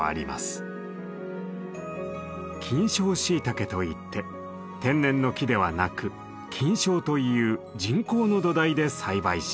「菌床シイタケ」といって天然の木ではなく菌床という人工の土台で栽培します。